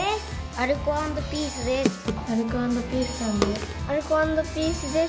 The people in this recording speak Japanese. アルコ＆ピースさんです。